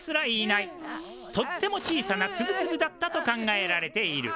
とっても小さなツブツブだったと考えられている。